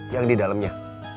yang di dalamnya